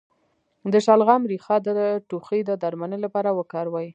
د شلغم ریښه د ټوخي د درملنې لپاره وکاروئ